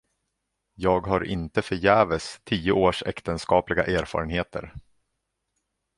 Jag har inte förgäves tio års äktenskapliga erfarenheter.